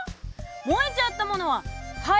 燃えちゃったものは灰。